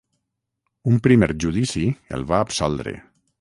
Un primer judici el va absoldre.